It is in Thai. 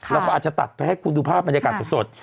เราก็อาจจะตัดไปให้คุณดูภาพบรรยากาศสด